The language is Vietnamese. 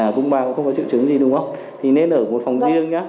à cũng bà cũng không có triệu chứng gì đúng không thì nên ở một phòng riêng nhé